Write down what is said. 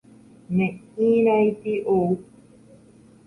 Ne'írãiti ou